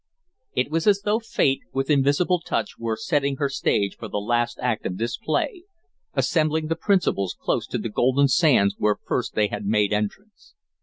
It was as though Fate, with invisible touch, were setting her stage for the last act of this play, assembling the principals close to the Golden Sands where first they had made entrance.